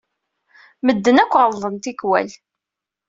Medden akk ɣellḍen tikkwal.